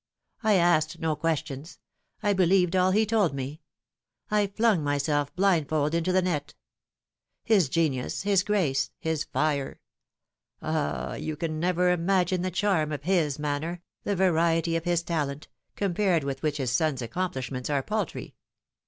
I asked no questions. I believed all he told me. I flung myself blindfold into the net. His genius, his grace, his fire ah, you can never imagine the charm of his manner, the variety of his talent, compared with which his son's accomplishments are paltry.